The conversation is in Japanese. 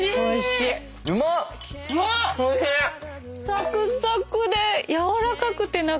サクサクで軟らかくて中。